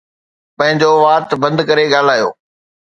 پنهنجو وات بند ڪري ڳالهايو.